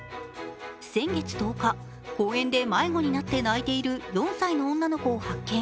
先月１０日公園で迷子になっている４歳の女の子を発見。